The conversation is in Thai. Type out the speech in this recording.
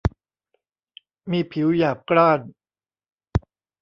มีผิวหยาบกร้าน